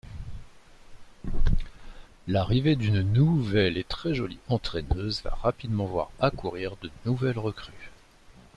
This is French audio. L'arrivée d'une nouvelle et très jolie entraîneuse va rapidement voir accourir de nouvelles recrues.